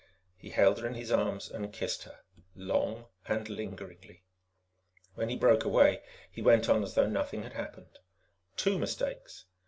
He held her in his arms and kissed her long and lingeringly. When he broke away, he went on as though nothing had happened. "Two mistakes.